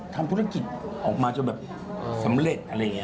ทำธุรกิจออกมาจนแบบสำเร็จอะไรอย่างนี้